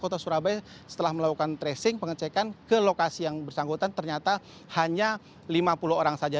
kota surabaya setelah melakukan tracing pengecekan ke lokasi yang bersangkutan ternyata hanya lima puluh orang saja